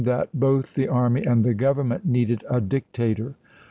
that both the army and the Government needed a dictator.